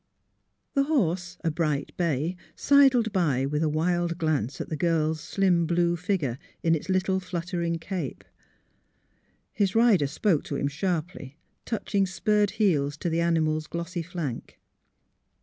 The horse, a bright bay, sidled by with a wild glance at the girl's slim blue figure, in its little fluttering cape. His rider spoke to him sharply, touching spurred heels to the animal's glossy flank.